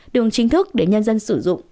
đường chính thức để nhân dân sử dụng